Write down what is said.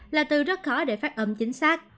là từ rất khó để phát âm chính xác